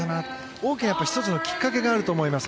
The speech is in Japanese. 大きな１つのきっかけがあると思います。